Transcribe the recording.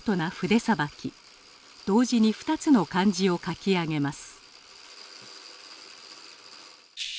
同時に２つの漢字を書き上げます。